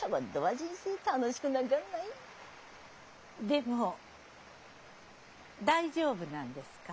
でも大丈夫なんですか？